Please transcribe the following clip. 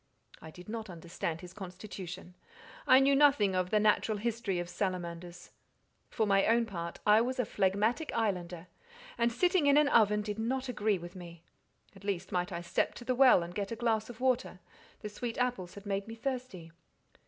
"I did not understand his constitution. I knew nothing of the natural history of salamanders. For my own part, I was a phlegmatic islander, and sitting in an oven did not agree with me; at least, might I step to the well, and get a glass of water—the sweet apples had made me thirsty?"